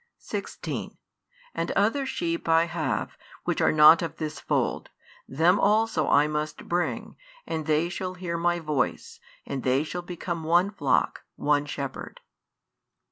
16 And other sheep I have, which are not of this fold: them also I must bring; and they shall hear My voice; and they shall become one flock, one shepherd.